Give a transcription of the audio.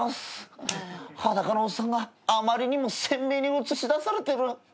裸のおっさんがあまりにも鮮明に映し出されてる。